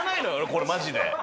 これマジで。